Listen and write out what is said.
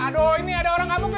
aduh ini ada orang ngamuk nih